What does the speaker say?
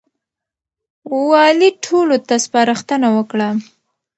والي ټولو ته سپارښتنه وکړه.